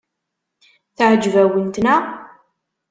Teɛjeb-awent, naɣ?